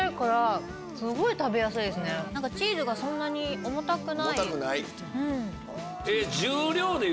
チーズがそんなに重たくない。